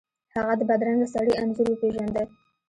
هغه د بدرنګه سړي انځور وپیژنده.